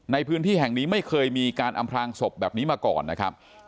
ในพื้นที่แห่งนี้ไม่เคยมีการอำพลางศพแบบนี้มาก่อนนะครับ